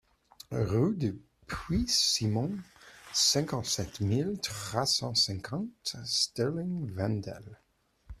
Rue du Puits Simon, cinquante-sept mille trois cent cinquante Stiring-Wendel